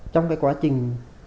trong cái quá trình